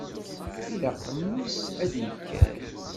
Ilaq mmi-s ad d-yekker.